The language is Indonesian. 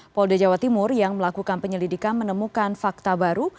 polda jawa timur yang melakukan penyelidikan menemukan fakta baru